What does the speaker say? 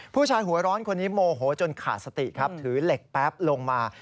ผู้ชายหัวร้อนคนนี้โมโหจนขาดสติครับถือเหล็กแป๊บลงมา